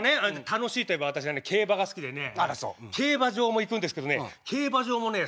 楽しいといえば私競馬が好きでね競馬場も行くんですけどね競馬場もね